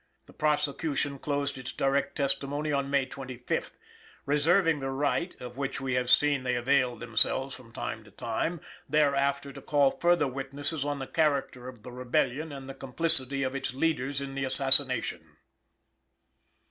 The prosecution closed its direct testimony on May 25th, reserving the right (of which we have seen they availed themselves from time to time) thereafter to call further witnesses on the character of the Rebellion and the complicity of its leaders in the assassination.